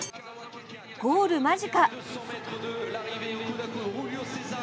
ゴール間近。